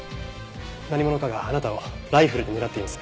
何者かがあなたをライフルで狙っています。